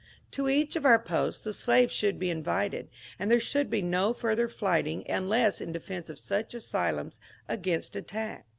To each of our posts the slaves should be invited, and there should be no further fight ing unless in defence of such asylums against attack.